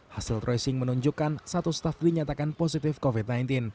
hasil tracing menunjukkan satu staf dinyatakan positif covid sembilan belas